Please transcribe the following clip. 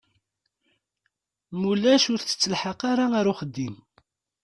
Ma ulac ur tettelḥaq ara ɣer uxeddim.